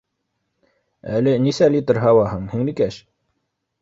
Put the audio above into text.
— Әле нисә литр һауаһың, һеңлекәш?